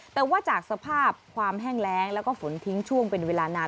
แต่ว่าจากสภาพความแห้งแรงแล้วก็ฝนทิ้งช่วงเป็นเวลานาน